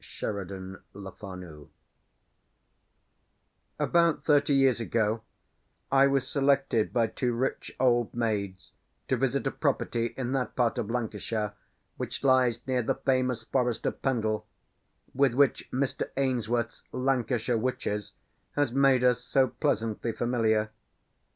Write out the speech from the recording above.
DICKON THE DEVIL About thirty years ago I was selected by two rich old maids to visit a property in that part of Lancashire which lies near the famous forest of Pendle, with which Mr. Ainsworth's "Lancashire Witches" has made us so pleasantly familiar.